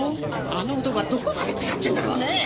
あの男はどこまで腐ってんだろうね！